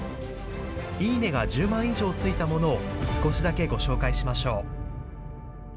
いいねが１０万以上ついたものを少しだけご紹介しましょう。